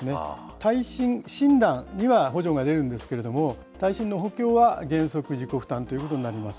耐震診断には補助が出るんですけれども、耐震の補強は原則自己負担ということになります。